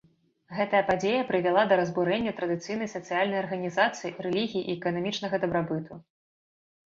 Гэтая падзея прывяла да разбурэння традыцыйнай сацыяльнай арганізацыі, рэлігіі і эканамічнага дабрабыту.